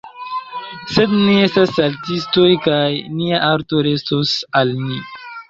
Sed ni estas saltistoj kaj nia arto restos al ni.